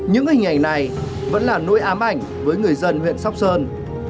những hình ảnh này vẫn là nỗi ám ảnh với người dân huyện sóc sơn